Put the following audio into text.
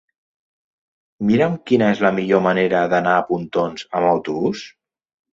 Mira'm quina és la millor manera d'anar a Pontons amb autobús.